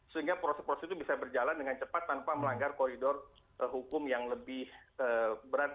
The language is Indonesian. sehingga proses proses itu bisa berjalan dengan cepat tanpa melanggar koridor hukum yang lebih berat